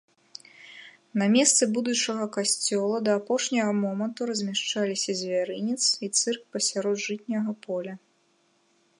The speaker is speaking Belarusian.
На месцы будучага касцёла да апошняга моманту размяшчаліся звярынец і цырк пасярод жытняга поля.